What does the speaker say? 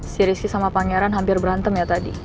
si rizky sama pangeran hampir berantem ya tadi